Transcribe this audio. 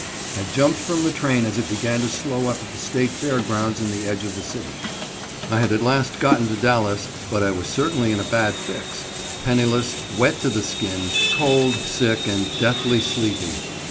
I jumped from the train as it began to slow up at the State Fair Grounds in the edge of the city. I had at last gotten to Dallas, but I was certainly in a bad fix penniless, wet to the skin, cold, sick, and deathly sleepy.